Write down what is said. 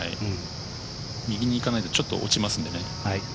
右に行かないでちょっと落ちますので。